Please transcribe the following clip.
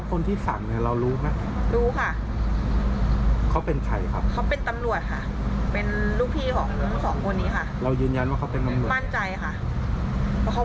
เพราะเขาพูดชื่อออกมาเลยค่ะว่าคนนี้สั่งค่ะ